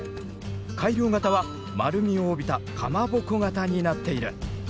改良型は「丸みを帯びたかまぼこ形」になっている。